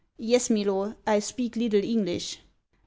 _' 'Yes Milor, I speak little English.